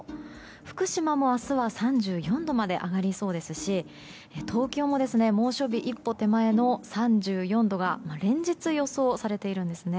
福島も明日は３４度まで上がりそうですし東京も猛暑日一歩手前の３４度が連日予想されてます。